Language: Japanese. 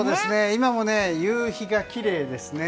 今も夕日がきれいですね。